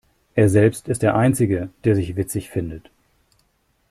Er selbst ist der Einzige, der sich witzig findet.